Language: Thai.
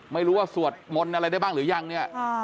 ไม่รู้ว่าสวดมนต์อะไรได้บ้างหรือยังเนี่ย